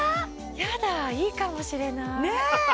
やだいいかもしれないねえ！